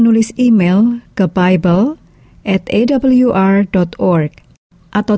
dari bapak di dalam hidupku